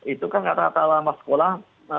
itu kan rata rata lama sekolah